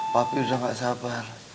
tapi udah gak sabar